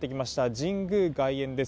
神宮外苑です。